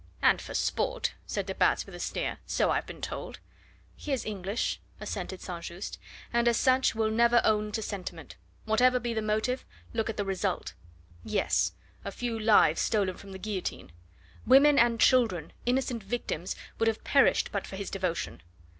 "And for sport," said de Batz with a sneer, "so I've been told." "He is English," assented St. Just, "and as such will never own to sentiment. Whatever be the motive, look at the result! "Yes! a few lives stolen from the guillotine." "Women and children innocent victims would have perished but for his devotion."